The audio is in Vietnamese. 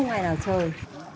chúng tôi đi làm suốt